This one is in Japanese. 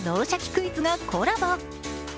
クイズ」がコラボ。